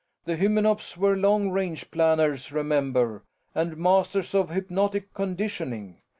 "The Hymenops were long range planners, remember, and masters of hypnotic conditioning.